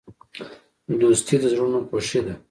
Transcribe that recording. دوستي د زړونو خوښي ده.